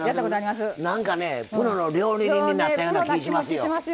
プロの料理人になったような気しますよ